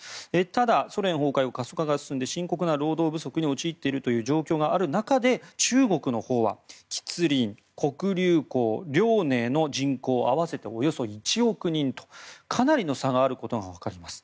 ただ、ソ連崩壊後過疎化が進んで深刻な労働不足に陥っているという状況がある中で中国のほうは吉林、黒竜江、遼寧の人口を合わせておよそ１億人とかなりの差があることが分かります。